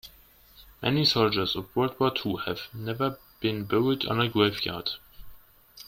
Many soldiers of world war two have never been buried on a grave yard.